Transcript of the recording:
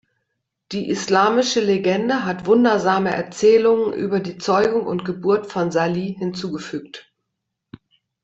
Die islamische Legende hat wundersame Erzählungen über die Zeugung und Geburt von Salih hinzugefügt.